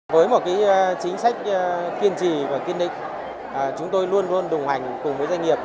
với một chính sách kiên trì và kiên định chúng tôi luôn luôn đồng hành cùng với doanh nghiệp